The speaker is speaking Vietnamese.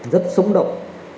rất sống động